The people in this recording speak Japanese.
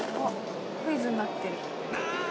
クイズになってる。